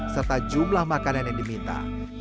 serta jumlah makanan yang diminta